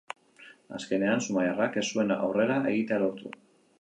Azkenean, zumaiarrak ez zuen aurrera egitea lortu.